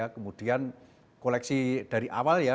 kemudian koleksi dari awal ya